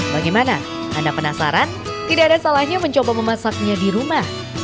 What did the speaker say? bagaimana anda penasaran tidak ada salahnya mencoba memasaknya di rumah